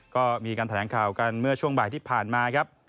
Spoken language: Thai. ก็มีการแถลงข่าวกันเมื่อช่วงบ่ายที่ผ่านมาครับ